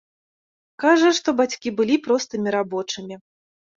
Кажа, што бацькі былі простымі рабочымі.